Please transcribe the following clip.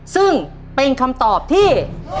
ซึ่งเป็นคำตอบที่